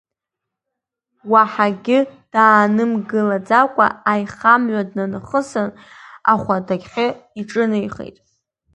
Уаҳагьы даанымгылаӡакәа аихамҩа днахысын, ахәадахьы иҿыҩеихеит.